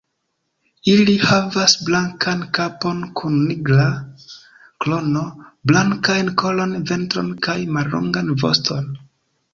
Ili havas blankan kapon kun nigra krono, blankajn kolon, ventron kaj mallongan voston.